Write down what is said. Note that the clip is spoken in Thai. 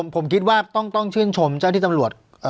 ผมคิดว่าต้องชื่นชมเจ้าที่ตำรวจ